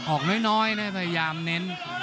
ออกน้อยนะพยายามเน้น